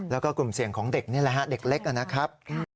แล้วก็กลุ่มเสี่ยงของเด็กนี่แหละฮะเด็กเล็กนะครับ